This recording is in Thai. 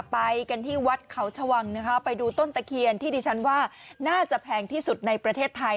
ไปกันที่วัดเขาชวังนะคะไปดูต้นตะเคียนที่ดิฉันว่าน่าจะแพงที่สุดในประเทศไทย